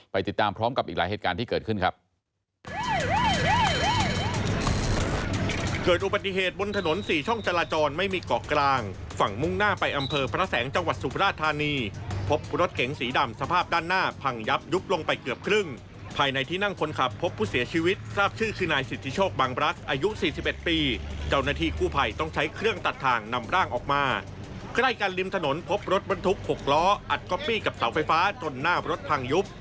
ติดตามพร้อมกับอีกหลายเหตุการณ์ที่เกิดขึ้นครับ